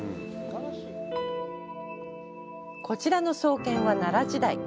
こちらの創建は奈良時代。